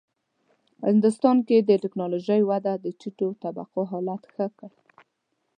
هندوستان کې د ټېکنالوژۍ وده د ټیټو طبقو حالت ښه کړ.